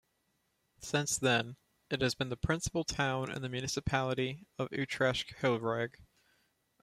Since then, it has been the principal town in the municipality of Utrechtse Heuvelrug.